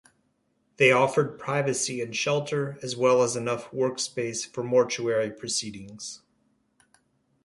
They offered privacy and shelter as well as enough workspace for mortuary proceedings.